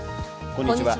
こんにちは。